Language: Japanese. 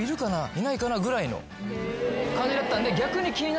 いないかな？ぐらいの感じだったんで。